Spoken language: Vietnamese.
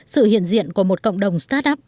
sự hiện diện của một cộng đồng start up